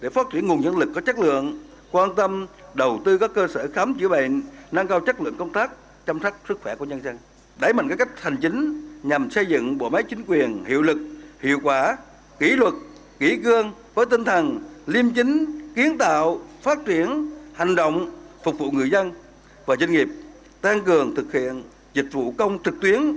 phát triển hành động phục vụ người dân và doanh nghiệp tăng cường thực hiện dịch vụ công trực tuyến